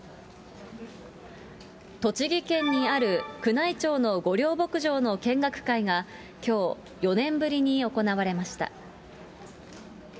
栃木県にある宮内庁の御料牧場の見学会がきょう、４年ぶりに行われました。